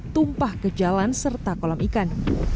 tumpah ke jalan serta kolam ikan